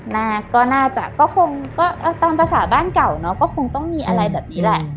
น่าจะก็คงก็ตามภาษาบ้านเก่าเนาะก็คงต้องมีอะไรแบบนี้แหละ